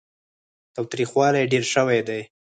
تاوتريخوالی ډېر شوی دی.